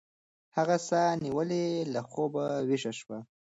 هغه ساه نیولې له خوبه ویښه شوه.